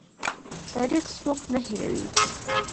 تاریخ څوک نه هیروي